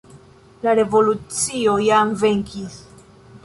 La revolucio jam venkis.